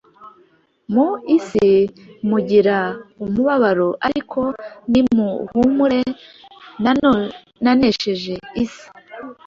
Mu isi mugira umubabaro, ariko nimuhumure, nanesheje isi.